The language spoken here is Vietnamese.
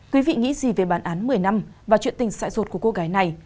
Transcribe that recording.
quý vị nghĩ gì về bản án một mươi năm và chuyện tình dại dột của cô gái này